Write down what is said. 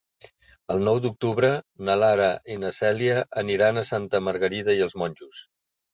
El nou d'octubre na Lara i na Cèlia aniran a Santa Margarida i els Monjos.